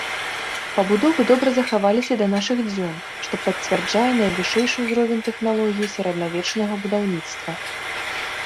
Пабудовы добра захаваліся да нашых дзён, што пацвярджае найвышэйшы ўзровень тэхналогій сярэднявечнага будаўніцтва.